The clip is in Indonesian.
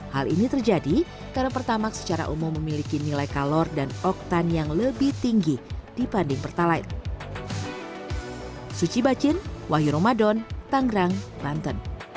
hal ini terjadi karena pertamax secara umum memiliki nilai kalor dan oktan yang lebih tinggi dibanding pertalite